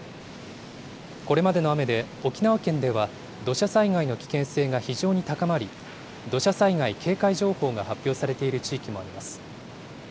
これまでの雨で、沖縄県では土砂災害の危険性が非常に高まり、土砂災害警戒情報が発表されている地域もあります。